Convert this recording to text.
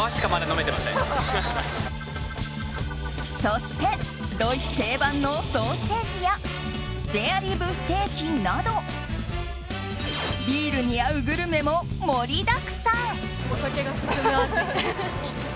そして、ドイツ定番のソーセージやスペアリブステーキなどビールに合うグルメも盛りだくさん！